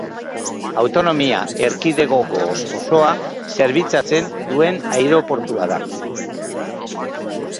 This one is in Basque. Autonomia erkidegoko osoa zerbitzatzen duen aireportua da.